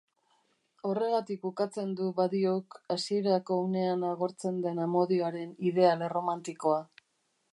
Horregatik ukatzen du Badiouk hasierako unean agortzen den amodioaren ideal erromantikoa.